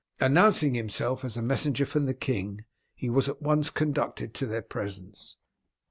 Announcing himself as a messenger from the king, he was at once conducted into their presence.